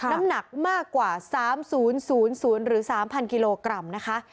น้ำหนักมากกว่า๓๐๐หรือ๓๐๐กิโลกรัมนะคะ